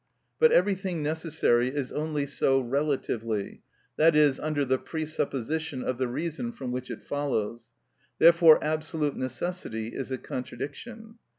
But everything necessary is only so relatively, that is, under the presupposition of the reason from which it follows; therefore absolute necessity is a contradiction.